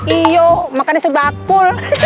iya makan di sebakul